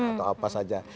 atau apa saja